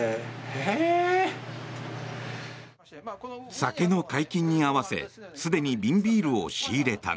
酒の解禁に合わせすでに瓶ビールを仕入れたが。